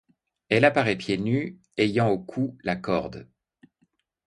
Elle apparaît pieds nus, ayant au cou la corde